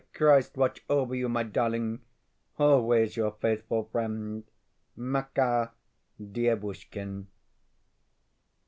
Christ watch over you, my darling! Always your faithful friend, MAKAR DIEVUSHKIN.